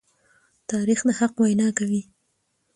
تاریخ د حق وینا کوي.